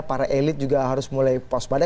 para elit juga harus mulai waspada